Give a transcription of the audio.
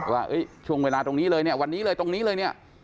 ว่าช่วงเวลาตรงนี้เลยวันนี้เลยตรงนี้เลย